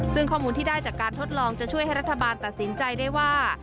ซึ่งข้อมูลที่ได้จากการทดลองจะช่วยให้รัฐบาลตัดสินใจได้ว่า